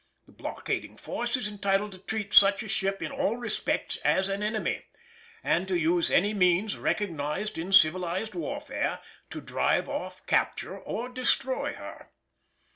The blockading force is entitled to treat such a ship in all respects as an enemy, and to use any means recognised in civilised warfare to drive off, capture, or destroy her.